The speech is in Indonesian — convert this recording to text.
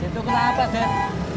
situ ke atas des